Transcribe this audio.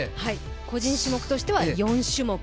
個人種目としては、４種目。